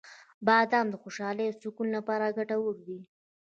• بادام د خوشحالۍ او سکون لپاره ګټور دي.